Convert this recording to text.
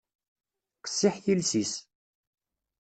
Qessiḥ yiles-is.